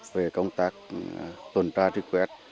về công tác tuần tra truy quét